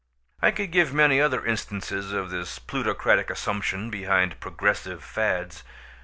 I could give many other instances of this plutocratic assumption behind progressive fads.